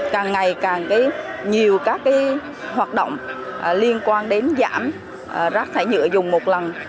càng ngày càng nhiều các hoạt động liên quan đến giảm rác thải nhựa dùng một lần